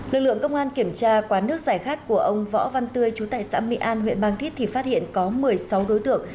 lực lượng công an kiểm tra quán nước giải khát của ông võ văn tươi chú tài xã mỹ an huyện mang thít thì phát hiện có một mươi sáu đối tượng